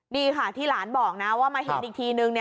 นี่ค่ะที่หลานบอกนะว่ามาเห็นอีกทีนึง